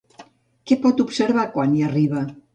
Què pot observar quan hi arriba?